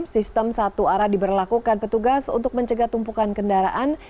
sistem satu arah diberlakukan petugas untuk mencegah tumpukan kendaraan